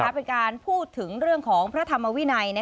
เป็นการพูดถึงเรื่องของพระธรรมวินัย